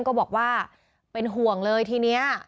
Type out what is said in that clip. ก็บอกว่าเป็นห่วงเลยทีนี้